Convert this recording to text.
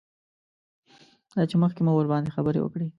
دا چې مخکې مو ورباندې خبرې وکړې.